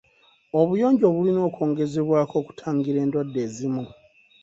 Obuyonjo bulina okwongezebwako okutangira endwadde ezimu.